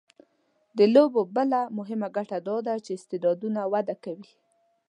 د لوبو بله مهمه ګټه دا ده چې استعدادونه وده کوي.